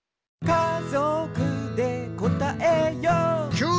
「かぞくでかんがえよう」